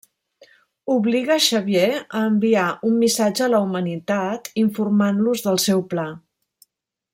Obliga Xavier a enviar un missatge a la humanitat, informant-los del seu pla.